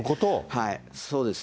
そうですね。